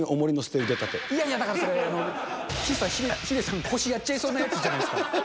いやいや、だからそれ、ヒデさん、腰やっちゃいそうなやつじゃないですか。